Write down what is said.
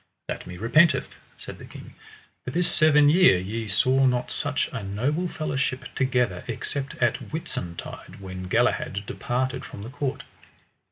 That me repenteth, said the king, for this seven year ye saw not such a noble fellowship together except at Whitsuntide when Galahad departed from the court.